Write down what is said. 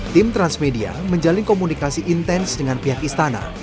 tim transmedia menjalin komunikasi intens dengan pihak istana